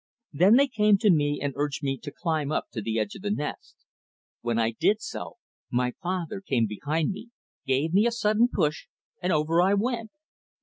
Then they came to me and urged me to climb up to the edge of the nest. When I did so, my father came behind me, gave me a sudden push, and over I went.